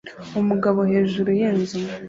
Umugabo hejuru yinzu